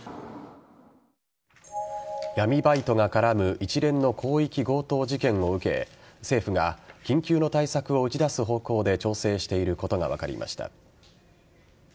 闇バイトが絡む一連の広域強盗事件を受け政府が緊急の対策を打ち出す方向で調整していることが分かりました。